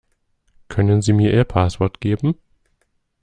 Können sie mir ihr Passwort geben?